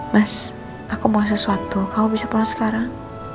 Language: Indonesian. mas aku mau sesuatu kamu bisa pulang sekarang